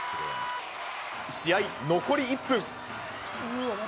試合残り１分。